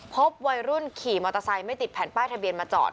พบวัยรุ่นขี่มอเตอร์ไซค์ไม่ติดแผ่นป้ายทะเบียนมาจอด